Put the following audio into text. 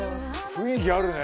雰囲気あるね